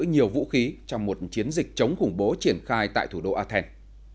nhiều vũ khí trong một chiến dịch chống khủng bố triển khai tại thủ đô athen